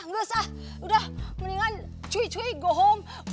nggak usah udah mendingan cuy cuy go home